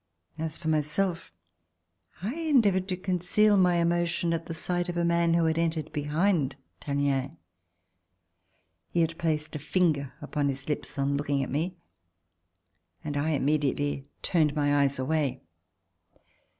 As for myself I endeavored to conceal my emotion at the sight of a man who had entered be hind Tallien. He had placed a finger upon his lips on looking at me, and I immediately turned my eyes away.